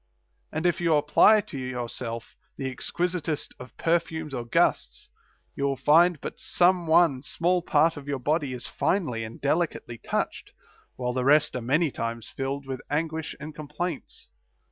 And if you apply to your self the exquisitest of perfumes or gusts, you will find but some one small part of your body is finely and delicately touched, while the rest are many times filled with anguish and complaints.